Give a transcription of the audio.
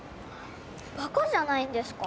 バカじゃないんですか？